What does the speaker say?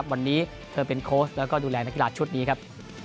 วันนี้เธอเป็นโค้ชแล้วก็ดูแลนักกีฬาชุดนี้ครับ